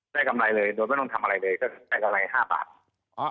กำไรเลยโดยไม่ต้องทำอะไรเลยก็ได้กำไร๕บาท